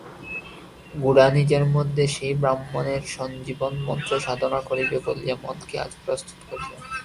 গোরা নিজের মধ্যে সেই ব্রাহ্মণের সঞ্জীবন-মন্ত্র সাধনা করিবে বলিয়া মনকে আজ প্রস্তুত করিল।